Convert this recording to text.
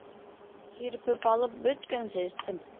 Һирпеп алып бөткәнсе эстем.